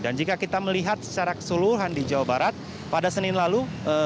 dan jika kita melihat secara keseluruhan di jawa barat pada senin lalu